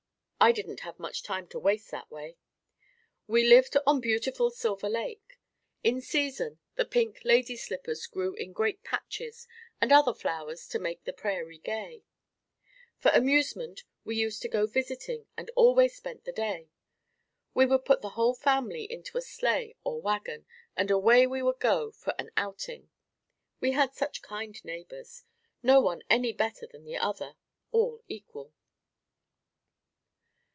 I didn't have much time to waste that way. We lived on beautiful Silver Lake. In season the pink lady slippers grew in great patches and other flowers to make the prairie gay. For amusement we used to go visiting and always spent the day. We would put the whole family into a sleigh or wagon and away we would go for an outing. We had such kind neighbors no one any better than the other all equal.